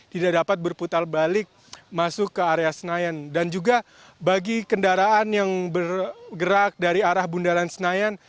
tidak dapat berputar balik masuk ke area senayan dan juga bagi kendaraan yang bergerak dari arah bundaran senayan